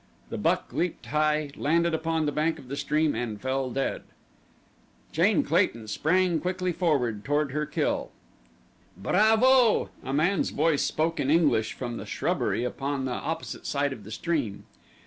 The buck leaped high, landed upon the bank of the stream, and fell dead. Jane Clayton sprang quickly forward toward her kill. "Bravo!" A man's voice spoke in English from the shrubbery upon the opposite side of the stream.